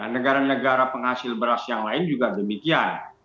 negara negara penghasil beras yang lain juga demikian